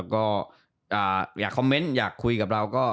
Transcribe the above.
ก็อยากคอมเมนต์อยากคุยกับเราก็